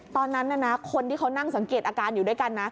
ตอนนั้นคนที่เขานั่งสังเกตอาการอยู่ด้วยกันนะ